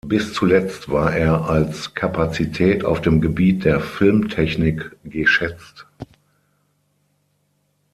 Bis zuletzt war er als Kapazität auf dem Gebiet der Filmtechnik geschätzt.